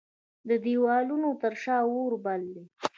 د دیوالونو تر شا اوربل دی